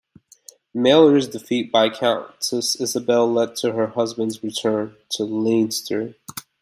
Meilyr's defeat by Countess Isabel led to her husband's return to Leinster.